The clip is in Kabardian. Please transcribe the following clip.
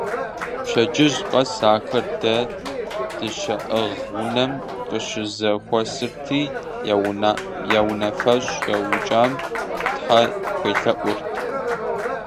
Пщэдджыжь къэс ахэр дэ дыщаӀыгъ унэм къыщызэхуэсырти, я унафэщӀ яукӀам тхьэ хуелъэӀухэрт.